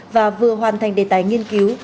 và vừa hoàn thành đề tài nghiên cứu